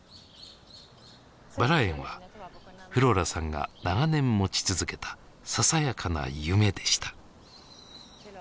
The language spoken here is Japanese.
薔薇園はフローラさんが長年持ち続けたささやかな夢でした。